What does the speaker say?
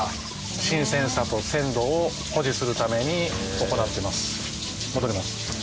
新鮮さと鮮度を保持するために行ってます。